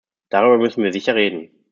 Darüber müssen wir sicher reden.